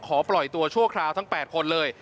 ปล่อยตัวชั่วคราวทั้ง๘คนเลย